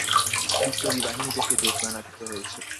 বিপ্লবী বাহিনীদেরকে জরিমানা দিতে হয়েছে।